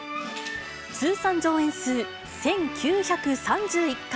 通算上演数１９３１回。